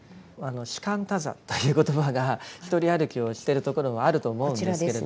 「只管打坐」という言葉が独り歩きをしてるところもあると思うんですけれども。